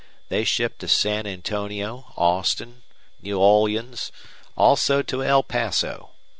They ship to San Antonio, Austin, New Orleans, also to El Paso.